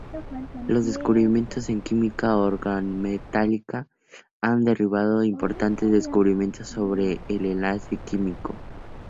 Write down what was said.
Los descubrimientos en química organometálica han derivado en importantes descubrimientos sobre el enlace químico.